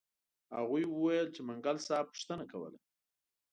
هغوی وویل چې منګل صاحب پوښتنه کوله.